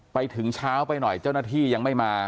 ไปถึงเช้าไปหน่อยเจ้าหน้าที่ยังไม่มา